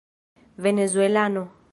venezuelano